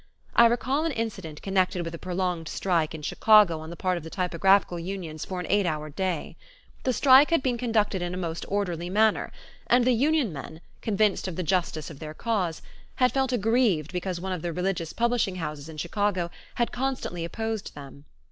I recall an incident connected with a prolonged strike in Chicago on the part of the typographical unions for an eight hour day. The strike had been conducted in a most orderly manner and the union men, convinced of the justice of their cause, had felt aggrieved because one of the religious publishing houses in Chicago had constantly opposed them.